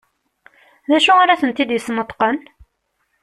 D acu ara tent-id-yesneṭqen?